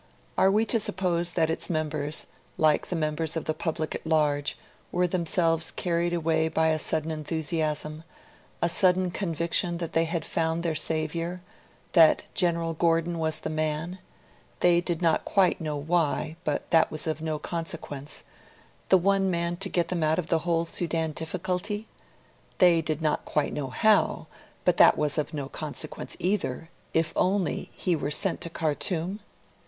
Are we to suppose that its members, like the members of the public at large, were themselves carried away by a sudden enthusiasm, a sudden conviction that they had found their saviour; that General Gordon was the man they did not quite know why, but that was of no consequence the one man to get them out of the whole Sudan difficulty they did not quite know how, but that was of no consequence either if only he were sent to Khartoum?